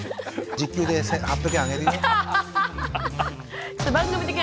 時給で１，８００円あげるよ。